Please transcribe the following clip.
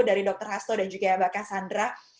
dari dr hasto dan juga mbak cassandra